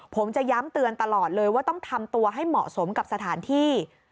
ผมจะย้ำเตือนตลอดเลยว่าต้องทำตัวให้เหมาะสมกับสถานที่